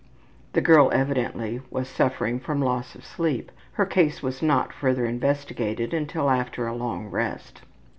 '' The girl evidently was suffering from loss of sleep; her case was not further investigated until after a long rest.